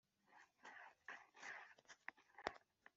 igifungo kitari munsi y imyaka irindwi ariko